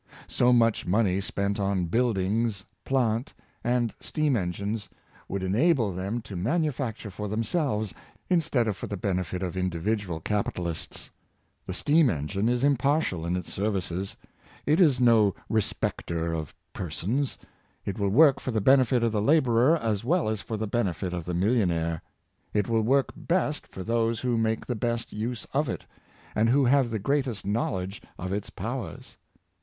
So much money spent on buildings, plant, and steam engines would ena ble them to manufacture for themselves, instead of for the benefit of individual capitalists. The steam engine 424 Savings of Capital, is impartial in its services. It is no respecter of persons ; it will work for the benefit of the laborer as well as for the benefit of the millionaire. It will work best for those who make the best use of it, and who have the greatest knowledge of its powers.